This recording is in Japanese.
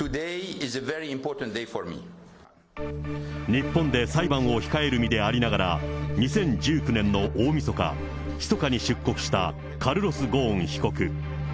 日本で裁判を控える身でありながら、２０１９年の大みそか、ひそかに出国した、カルロス・ゴーン被告。